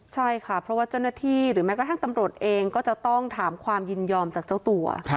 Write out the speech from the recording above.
ใช่ค่ะเพราะว่าเจ้าหน้าที่หรือแม้กระทั่งตำรวจเองก็จะต้องถามความยินยอมจากเจ้าตัว